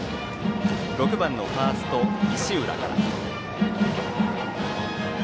６番のファースト、石浦から。